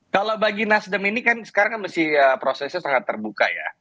kalau bagi nasdem ini kan sekarang masih prosesnya sangat terbuka ya